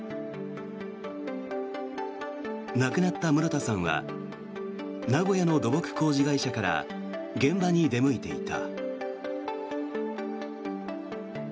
亡くなった室田さんは名古屋の土木工事会社から現場に出向いていた。